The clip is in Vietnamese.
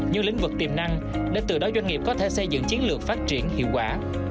như lĩnh vực tiềm năng để từ đó doanh nghiệp có thể xây dựng chiến lược phát triển hiệu quả